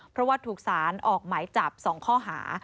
เพราะว่าถูกสารออกหมายจับ๒ข้อหา